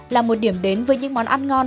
là một điểm đến với những món ăn ngon